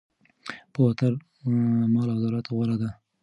پوهه تر مال او دولت غوره ده.